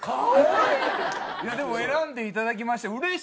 でも選んでいただきましてうれしい！